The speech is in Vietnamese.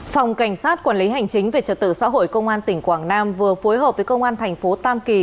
phòng cảnh sát quản lý hành chính về trật tự xã hội công an tỉnh quảng nam vừa phối hợp với công an thành phố tam kỳ